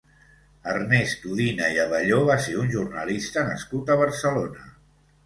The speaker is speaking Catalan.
Ernest Udina i Abelló va ser un jornalista nascut a Barcelona.